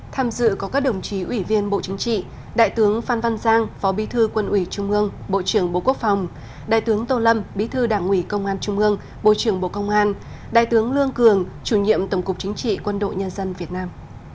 tham dự có các đồng chí ủy viên bộ chính trị đại tướng phan văn giang phó bí thư quân ủy trung ương bộ trưởng bộ quốc phòng đại tướng tô lâm bí thư đảng ủy công an trung ương bộ trưởng bộ công an đại tướng lương cường chủ nhiệm tổng cục chính trị quân đội nhân dân việt nam